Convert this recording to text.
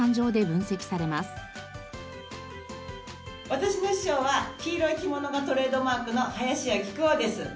私の師匠は黄色い着物がトレードマークの林家木久扇です。